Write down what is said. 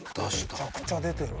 めちゃくちゃ出てる。